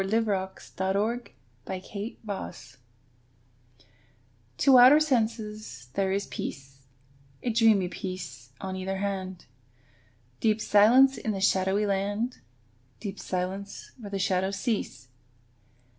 fi4S] II LA FUITE DE LA LUNE TO outer senses there is peace, A dreamy peace on either hand, Deep silence in the shadowy land, Deep silence where the shadows cease.